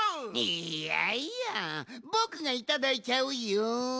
いやいやぼくがいただいちゃうよん！